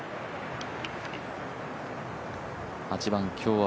８番、今日は